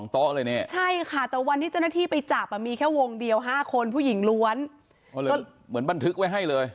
โต๊ะเลยเนี่ยใช่ค่ะแต่วันที่เจ้าหน้าที่ไปจับมีแค่วงเดียว๕คนผู้หญิงล้วนก็เลยเหมือนบันทึกไว้ให้เลย